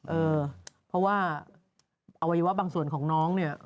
เออเพราะว่าเอาไว้ว่าบางส่วนของน้องเนี๊ยะ